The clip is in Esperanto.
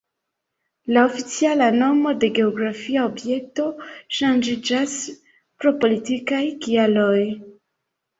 La oficiala nomo de geografia objekto ŝanĝiĝas pro politikaj kialoj.